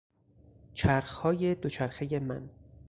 چرخهای دوچرخهی من